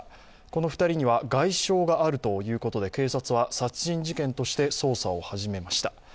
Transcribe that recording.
この２人には外傷があるということで警察は殺人事件として捜査を始めました。